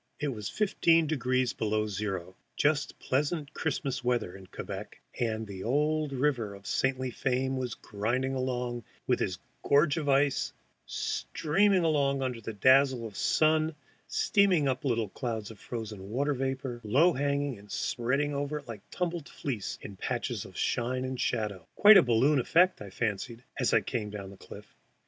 It was fifteen degrees below zero, just pleasant Christmas weather in Quebec, and the old river of saintly fame was grinding along with its gorge of ice, streaming along under a dazzle of sun, steaming up little clouds of frozen water vapor, low hanging and spreading over it like tumbled fleece in patches of shine and shadow, quite a balloon effect, I fancied, as I came down the cliff.